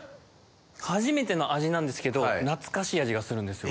初めての味なんですけど懐かしい味がするんですよ。